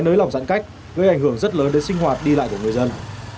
nới lỏng giãn cách gây ảnh hưởng rất lớn đến sinh hoạt đi lại của người dân